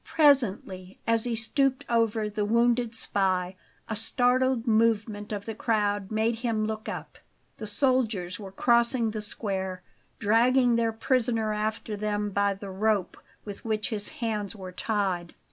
Presently, as he stooped over the wounded spy, a startled movement of the crowd made him look up. The soldiers were crossing the square, dragging their prisoner after them by the rope with which his hands were tied.